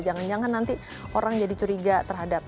jangan jangan nanti orang jadi curiga terhadap